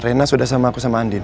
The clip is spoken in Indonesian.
rena sudah sama aku sama andin